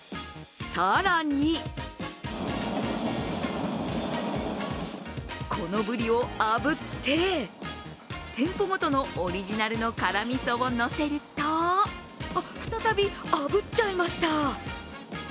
更にこのブリをあぶって、店舗ごとのオリジナルの辛みそをのせると、再びあぶっちゃいました。